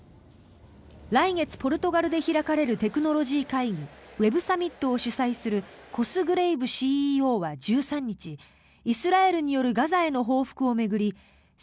来月ポルトガルで開かれるテクノロジー会議ウェブサミットを主催するコスグレイＣＥＯは１３日イスラエルによるガザへの報復を巡り